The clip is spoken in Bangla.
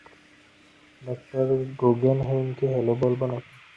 ডঃ গুগেনহেইমকে হ্যালো বলব নাকি?